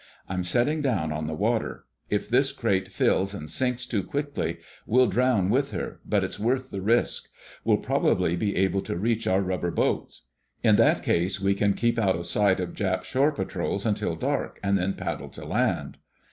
I'm setting down on the water. If this crate fills and sinks too quickly, we'll drown with her, but it's worth the risk. We'll probably be able to reach our rubber boats. In that case we can keep out of sight of Jap shore patrols until dark, and then paddle to land."